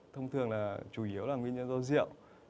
thông thường là chủ yếu là nguyên nhân do rượu